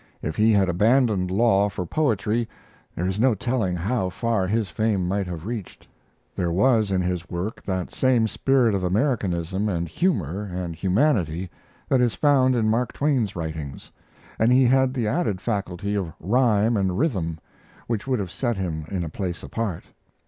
If he had abandoned law for poetry, there is no telling how far his fame might have reached. There was in his work that same spirit of Americanism and humor and humanity that is found in Mark Twain's writings, and he had the added faculty of rhyme and rhythm, which would have set him in a place apart.